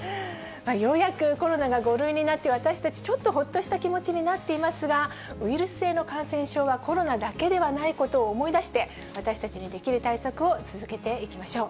ようやくコロナが５類になって、私たち、ちょっとほっとした気持ちになっていますが、ウイルス性の感染症はコロナだけではないことを思い出して、私たちにできる対策を続けていきましょう。